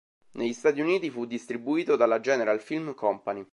Negli Stati Uniti, fu distribuito dalla General Film Company.